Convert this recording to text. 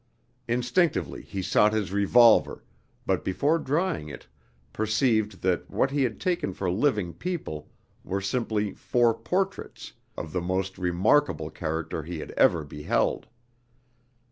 Instinctively he sought his revolver, but before drawing it perceived that what he had taken for living people were simply four portraits, of the most remarkable character he had ever beheld.